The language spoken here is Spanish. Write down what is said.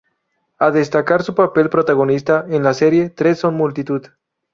A destacar su papel protagonista en la serie "Tres son multitud".